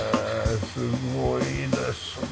すごいですね。